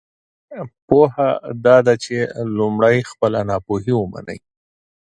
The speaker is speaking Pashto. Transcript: پوهه دا ده چې لمړی خپله ناپوهۍ ومنی!